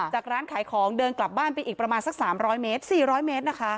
ร้านขายของเดินกลับบ้านไปอีกประมาณสัก๓๐๐เมตร๔๐๐เมตรนะคะ